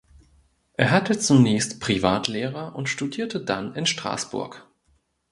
Er hatte zunächst Privatlehrer und studierte dann in Straßburg.